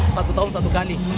satu tahun satu kali